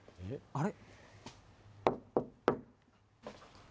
あれ？